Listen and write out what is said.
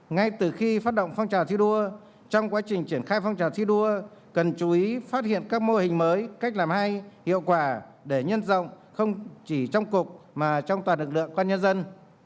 ngay từ khi phát động phong trào thi đua trong quá trình triển khai phong trào thi đua cần chú ý phát hiện các mô hình mới cách làm hay hiệu quả để nhân rộng không chỉ trong cục mà trong toàn lực lượng con nhân dân